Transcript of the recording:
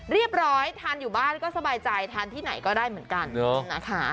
ไม่ทันทานอยู่บ้านก็สบายใจทานที่ไหนก็ได้เหมือนกันนะคะ